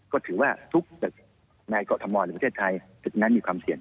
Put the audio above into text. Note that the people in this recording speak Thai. ก็ถือว่าทุกตึกในเกาะธรรมวาลหรือประเทศไทยตึกนั้นมีความเสี่ยง